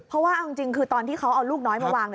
เพราะว่าเอาจริงคือตอนที่เขาเอาลูกน้อยมาวาง